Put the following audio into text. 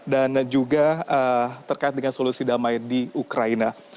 dan juga terkait dengan solusi damai di ukraina